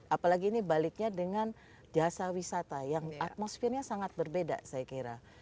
apalagi ini baliknya dengan jasa wisata yang atmosfernya sangat berbeda saya kira